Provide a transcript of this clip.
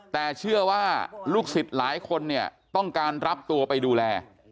แต่เชื่อว่าลูกศิษย์หลายคนเนี่ยต้องการรับตัวไปดูแล